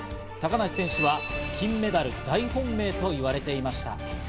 高梨選手は金メダル大本命と言われていました。